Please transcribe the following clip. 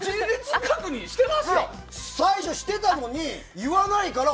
最初、してたのに言わないから。